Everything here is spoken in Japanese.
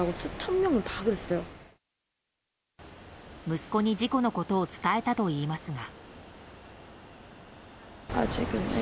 息子に事故のことを伝えたといいますが。